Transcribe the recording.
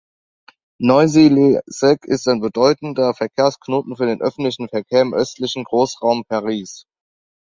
Noisy-le-Sec ist ein bedeutender Verkehrsknoten für den öffentlichen Verkehr im östlichen Großraum Paris.